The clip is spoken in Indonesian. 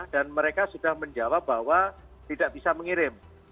dan mereka sudah menjawab bahwa tidak bisa mengirim